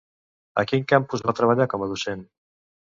A quin campus va treballar com a docent?